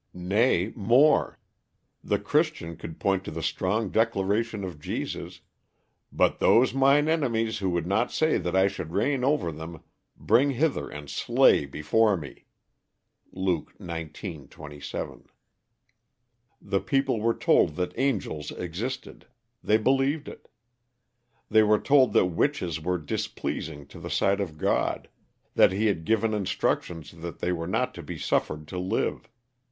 Nay more: the Christian could point to the strong declaration of Jesus: "But those mine enemies who would not that I should reign over them, bring hither and slay before me" (Luke xix., 27). The people were told that angels existed. They believed it. They were told that witches were displeasing to the sight of God; that he had given instructions that they were not to be "suffered" to live.